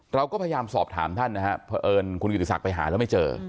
เราก็พยายามสอบถามท่านนะครับเพราะเอิญคุณกิติศักดิ์ไปหาแล้วไม่เจอ